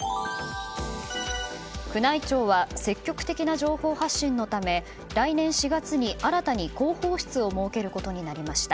宮内庁は積極的な情報発信のため来年４月に新たに広報室を設けることになりました。